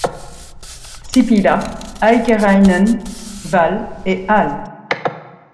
Sipilä, Haikarainen, Wahl et al.